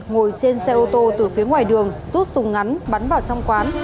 ngồi trên xe ô tô từ phía ngoài đường rút súng ngắn bắn vào trong quán